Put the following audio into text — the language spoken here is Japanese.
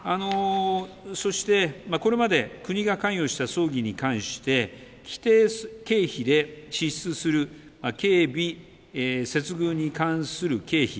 そして、これまで国が関与した葬儀に関して規定経費で支出する警備・接遇に関する経費